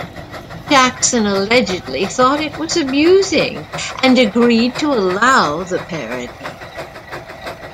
Jackson allegedly thought it was amusing, and agreed to allow the parody.